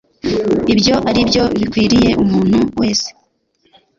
ibyo aribyo bikwiriye umuntu wese.